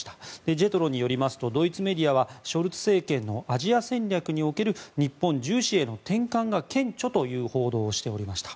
ジェトロによりますとドイツメディアはショルツ政権のアジア戦略における日本重視への転換が顕著という報道をしておりました。